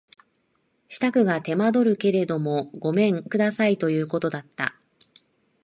支度が手間取るけれどもごめん下さいとこういうことだ